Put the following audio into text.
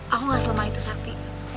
aku gak selemah itu sakti